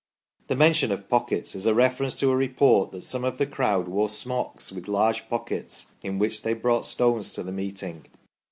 The mention of pockets is a reference to a report that some of the crowd wore smocks with large pockets, in which they brought stones to the meeting.